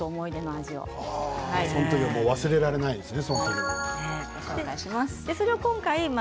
その時のことが忘れられないですね。